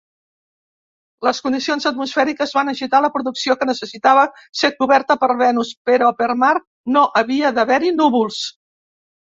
Les condicions atmosfèriques van agitar la producció, que necessitava ser coberta per Venus, però per Mart no havia d'haver-hi núvols.